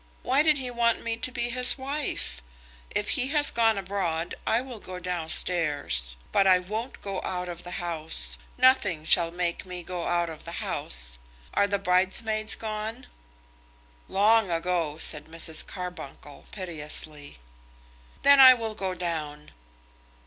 Why did he want me to be his wife? If he has gone abroad, I will go down stairs. But I won't go out of the house. Nothing shall make me go out of the house. Are the bridesmaids gone?" "Long ago," said Mrs. Carbuncle, piteously. "Then I will go down."